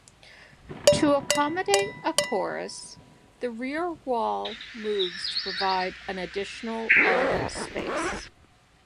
To accommodate a chorus, the rear wall moves to provide an additional of space.